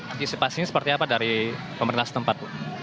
antisipasinya seperti apa dari pemerintah setempat bu